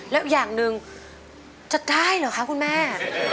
แล้วอย่างหนึ่งจะได้เหรอคะคุณแม่